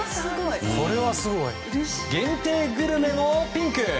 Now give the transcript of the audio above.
限定グルメもピンク。